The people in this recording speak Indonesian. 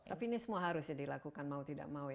tapi ini semua harus dilakukan mau tidak mau